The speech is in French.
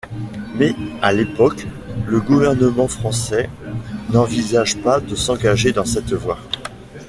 Mais, à l'époque, le gouvernement français n'envisage pas de s'engager dans cette voie.